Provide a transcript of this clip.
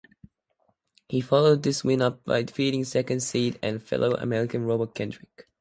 He followed this win up by defeating second seed and fellow American Robert Kendrick.